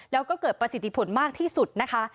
แล้วก็เกิดประสิทธิผลมากที่สุดนะคะ